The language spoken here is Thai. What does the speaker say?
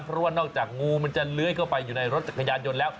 เพราะว่านอกจากงูมันจะเลื้อยเข้าไปอยู่ในรถจักรยานยนต์แล้ว